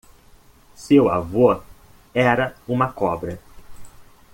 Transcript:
Seu avô era uma cobra.